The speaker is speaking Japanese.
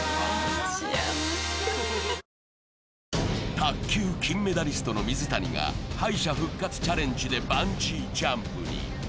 卓球金メダリストの水谷が敗者復活チャレンジでバンジージャンプに。